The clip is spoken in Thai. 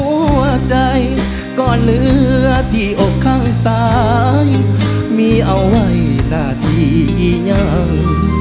หัวใจก็เหลือที่อกข้างซ้ายมีเอาไว้หน้าที่ยัง